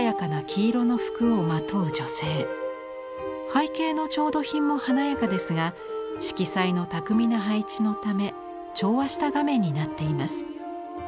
背景の調度品も華やかですが色彩の巧みな配置のため調和した画面になっています。